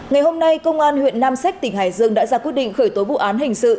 ngày hôm nay công an huyện nam sách tỉnh hải dương đã ra quyết định khởi tố vụ án hình sự